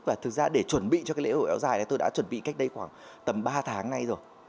và thực ra để chuẩn bị cho cái lễ hội áo dài này tôi đã chuẩn bị cách đây khoảng tầm ba tháng nay rồi